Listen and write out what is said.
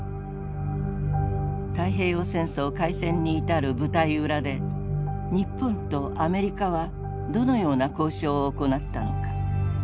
太平洋戦争開戦に至る舞台裏で日本とアメリカはどのような交渉を行ったのか。